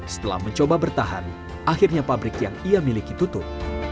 setelah mencoba bertahan akhirnya pabrik yang ia miliki tutup